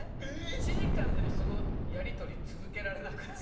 １時間でもそのやり取り続けられなくない？